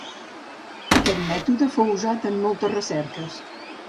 Aquest mètode fou usat en moltes recerques.